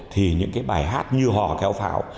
thì những cái bài hát như họ kéo pháo